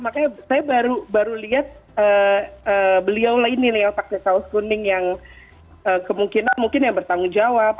makanya saya baru lihat beliau ini nih yang pakai kaos kuning yang kemungkinan mungkin ya bertanggung jawab